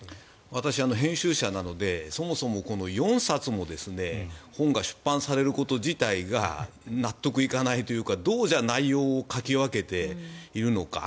私、編集者なのでそもそも４冊も本が出版されること自体が納得いかないというかどう内容を書き分けているのか。